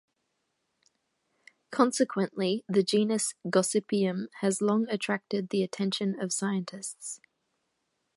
Consequently, the genus "Gossypium" has long attracted the attention of scientists.